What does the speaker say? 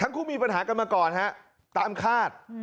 คู่มีปัญหากันมาก่อนฮะตามคาด